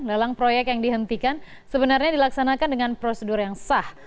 lelang proyek yang dihentikan sebenarnya dilaksanakan dengan prosedur yang sah